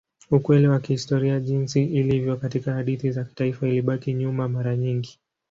Ukweli wa kihistoria jinsi ilivyo katika hadithi za kitaifa ilibaki nyuma mara nyingi.